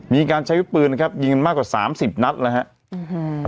มีการใช้วิบปืนนะครับยิงมากกว่า๓๐นัดแล้วฮะ